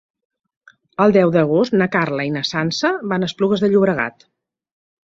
El deu d'agost na Carla i na Sança van a Esplugues de Llobregat.